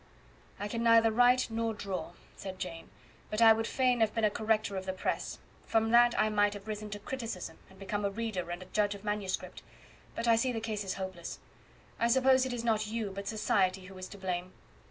"I can neither write nor draw," said Jane, "but I would fain have been a corrector of the press; from that I might have risen to criticism, and become a reader and a judge of manuscript; but I see the case is hopeless. I suppose it is not you, but society who is to blame.